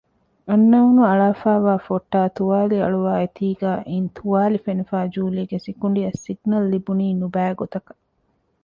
އަންނައުނު އަޅާފައިވާ ފޮއްޓާއި ތުވާލި އަޅުވާ އެތީގައި އިން ތުވާލި ފެނިފައި ޖޫލީގެ ސިކުނޑިއަށް ސިގްނަލް ލިބުނީ ނުބައިގޮތަކަށް